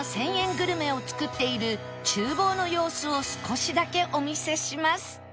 グルメを作っている厨房の様子を少しだけお見せします